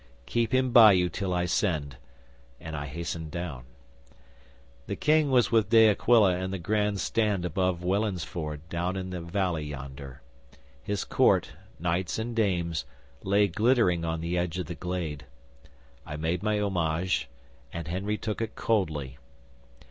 "Keep him by you till I send," and I hastened down. 'The King was with De Aquila in the Grand Stand above Welansford down in the valley yonder. His Court knights and dames lay glittering on the edge of the glade. I made my homage, and Henry took it coldly.